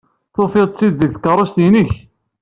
Tufid-t-id deg tkeṛṛust-nnek?